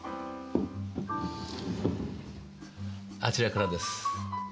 あちらからです。